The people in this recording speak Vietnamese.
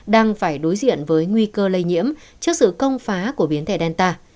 đang phải đối diện với nguy cơ lây nhiễm trước sự công phá của biến thể delta